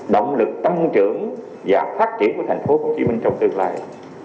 động lực tăng trưởng và phát triển của tp hcm trong tương lai